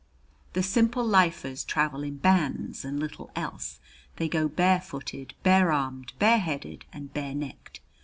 The Simple Lifers travel in bands and little else. They go barefooted, barearmed, bareheaded and barenecked.